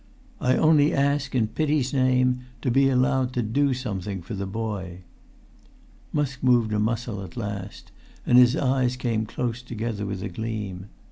[Pg 285]"I only ask—in pity's name—to be allowed to do something for the boy!" Musk moved a muscle at last, and his eyes came close together with a gleam.